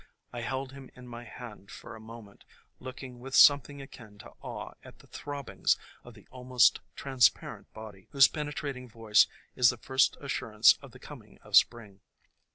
I held him in my hand for a moment, looking with something akin to awe at the throbbings of the almost transparent body, whose penetrating voice is the first assurance of the coming of Spring.